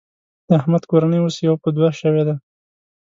د احمد کورنۍ اوس يوه په دوه شوېده.